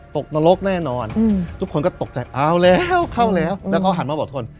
นรกแน่นอนทุกคนก็ตกใจเอาแล้วเข้าแล้วแล้วเขาหันมาบอกทน